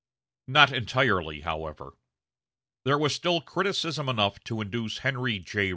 Not entirely, however. There was still criticism enough to induce Henry J.